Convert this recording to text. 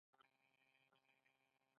پنځه ویشت لویې کارخانې د بانکونو برخه وې